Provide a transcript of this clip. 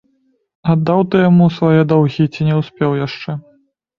Аддаў ты яму свае даўгі ці не ўспеў яшчэ?